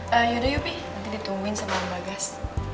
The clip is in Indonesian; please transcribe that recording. ya udah yaudah yopi nanti ditungguin sama mbak gas